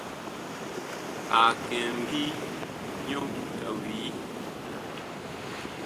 A kɛ ŋmbii, nyɔ mut a wii.